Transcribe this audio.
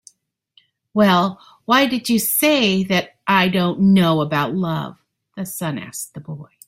"Well, why did you say that I don't know about love?" the sun asked the boy.